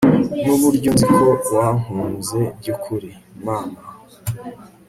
nuburyo nzi ko wankunze byukuri, mama